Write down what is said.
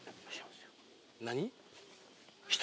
何？